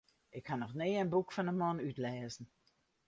Ik ha noch nea in boek fan de man útlêzen.